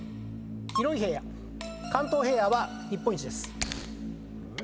広い平野関東平野は日本一です。